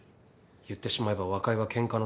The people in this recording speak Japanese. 言ってしまえば和解はケンカの仲裁。